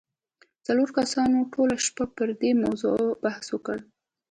څلورو کسانو ټوله شپه پر دې موضوع بحث وکړ.